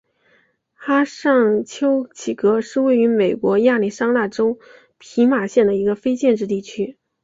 哈尚丘奇格是位于美国亚利桑那州皮马县的一个非建制地区。